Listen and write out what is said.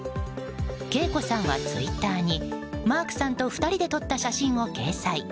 ＫＥＩＫＯさんは、ツイッターにマークさんと２人で撮った写真を掲載。